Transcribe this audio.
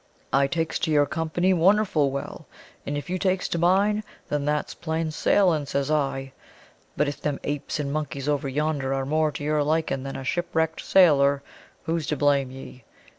I takes to your company wonnerful well, and if you takes to mine, then that's plain sailing, says I. But if them apes and monkeys over yonder are more to your liking than a shipwrecked sailor, who's to blame ye?